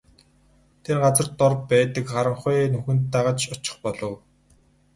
Тэр газар дор байдаг харанхуй нүхэнд нь дагаж очих болов.